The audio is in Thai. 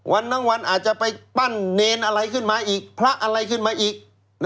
ทั้งวันอาจจะไปปั้นเนรอะไรขึ้นมาอีกพระอะไรขึ้นมาอีก